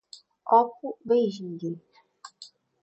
oppo, beijing